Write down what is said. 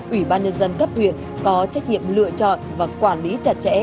ủy ban nhân dân cấp huyện có trách nhiệm lựa chọn và quản lý chặt chẽ